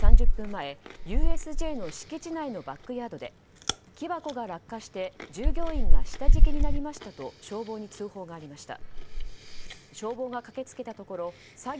前ＵＳＪの敷地内のバックヤードで木箱が落下して従業員が下敷きになりましたと消防に通報がありました。